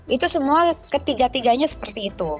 itu semua ketiga tiganya seperti itu